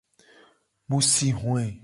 Mu si hoe.